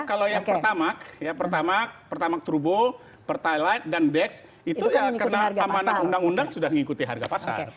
kalau yang pertamak ya pertamak pertamak turbo pertalite dan dex itu ya karena pemanah undang undang sudah mengikuti harga pasar